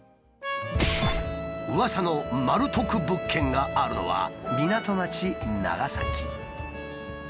うわさのマル得物件があるのは港町長崎。